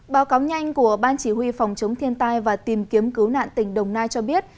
báo cáo nhanh của ban chỉ huy phòng chống thiên tai và tìm kiếm cứu nạn tỉnh đồng nai cho biết